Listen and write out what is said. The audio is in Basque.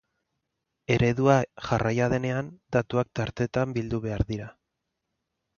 Eredua jarraia denean, datuak tartetan bildu behar dira.